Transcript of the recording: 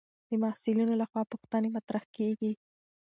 د محصلینو لخوا پوښتنې مطرح کېږي.